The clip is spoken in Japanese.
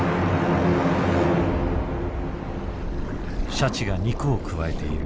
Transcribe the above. シャチが肉をくわえている。